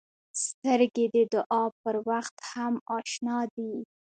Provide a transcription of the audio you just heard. سترګې د دعا پر وخت هم اشنا دي